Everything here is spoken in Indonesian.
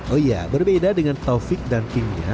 oh iya berbeda dengan taufik dan timnya